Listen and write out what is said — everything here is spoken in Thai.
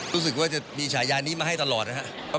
รู้สึกว่าจะมีฉายานี้มาให้ตลอดนะครับ